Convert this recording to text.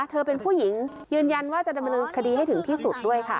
เธอเป็นผู้หญิงยืนยันว่าจะดำเนินคดีให้ถึงที่สุดด้วยค่ะ